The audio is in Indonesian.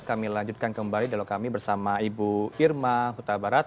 kami lanjutkan kembali dialog kami bersama ibu irma kutabarat